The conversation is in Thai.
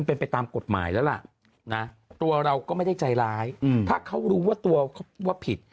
เป็นไปตามกฎหมายแล้วล่ะนะตัวเราก็ไม่ได้ใจร้ายถ้าเขารู้ว่าตัวเขาว่าผิด